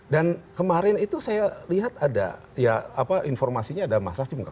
dan kemarin itu saya lihat ada informasinya ada masas di muka